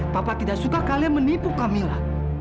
papa tidak suka kalian menipu kamilah